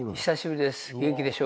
元気でしょうか。